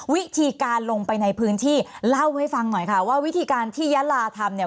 วิธีการลงไปในพื้นที่เล่าให้ฟังหน่อยค่ะว่าวิธีการที่ยาลาทำเนี่ย